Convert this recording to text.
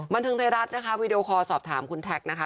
บันเทิงไทยรัฐนะคะวีดีโอคอลสอบถามคุณแท็กนะคะ